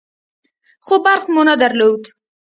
خو برق مو نه درلود.